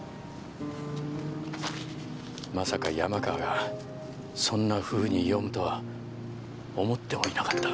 まさか山川がそんなふうに読むとは思ってもいなかった。